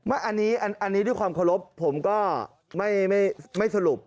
อันนี้อันนี้ด้วยความเคารพผมก็ไม่สรุป